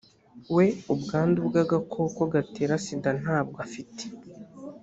we ubwandu bw’agakoko gatera sida ntabwo afite